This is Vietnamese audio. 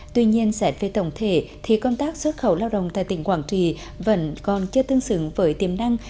tuy nhiên xét về tổng thể thì công tác xuất khẩu lao động tại tỉnh quảng trì vẫn còn chưa tương xứng với tiềm năng